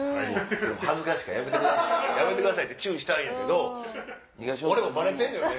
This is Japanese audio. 恥ずかしいからやめてくださいって注意したんやけど俺もバレてんのよね？